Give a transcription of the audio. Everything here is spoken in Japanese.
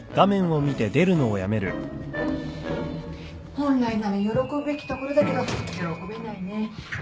本来なら喜ぶべきところだけど喜べないね。